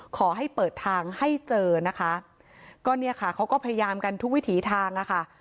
ขอให้เปิดทางให้เจอนะคะก็เนี่ยค่ะเขาก็พยายามกันทุกวิถีทางอ่ะค่ะ